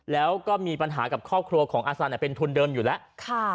แล้วก็มีปัญหากับครอบครัวของอาสันเป็นทุนเดิมอยู่แล้ว